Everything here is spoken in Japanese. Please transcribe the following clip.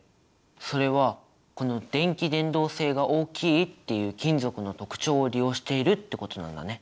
それはこの「電気伝導性が大きい」っていう金属の特徴を利用しているってことなんだね。